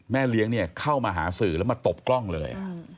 แม่เลี้ยงเข้ามาหาสื่อแล้วมาตบกล้องเลย